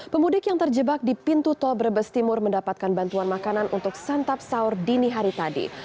pemudik yang terjebak di pintu tol brebes timur mendapatkan bantuan makanan untuk santap sahur dini hari tadi